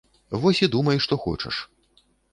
Вось і думай што хочаш!